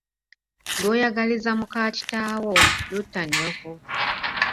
Lw'oyagaliza mukaakitaawo, lutta nnyoko.